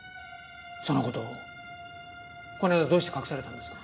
その事をこの間はどうして隠されたんですか？